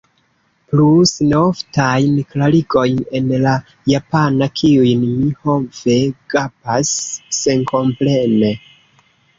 Plus neoftajn klarigojn en la japana, kiujn mi, ho ve, gapas senkomprene.